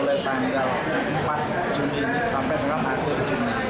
btpn ini bisa pengambilannya mulai tanggal empat juni ini sampai enam akhir juni